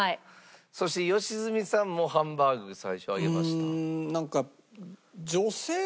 そして良純さんもハンバーグ最初上げました。